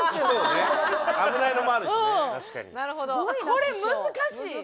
これ難しい！